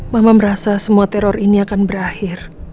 mama merasa semua teror ini akan berakhir